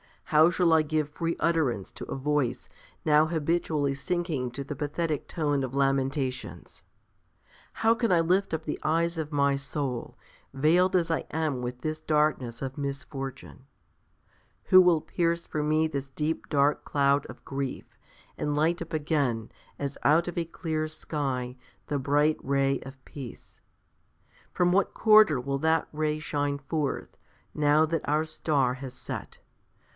How shall I give free utterance to a voice now habitually sinking to the pathetic tone of lamentations? How can I lift up the eyes of my soul, veiled as I am with this darkness of misfortune? Who will pierce for me this deep dark cloud of grief, and light up again, as out of a clear sky, the bright ray of peace? From what quarter will that ray shine forth, now that our star has set?